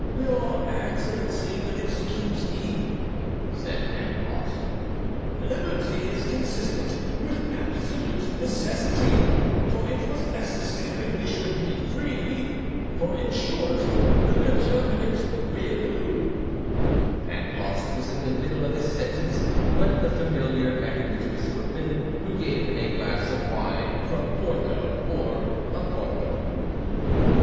"Your Excellency will excuse me," said Pangloss; "liberty is consistent with absolute necessity, for it was necessary we should be free; for, in short, the determinate will " Pangloss was in the middle of his sentence, when the Familiar beckoned to his footman, who gave him a glass of wine from Porto or Opporto.